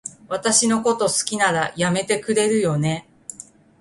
私のこと好きなら、やめてくれるよね？